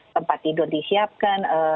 tempat tidur disiapkan